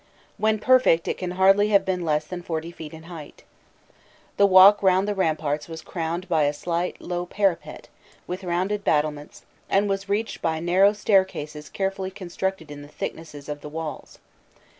When perfect it can hardly have been less than 40 feet in height. The walk round the ramparts was crowned by a slight, low parapet, with rounded battlements, and was reached by narrow staircases carefully constructed in the thickness of the walls.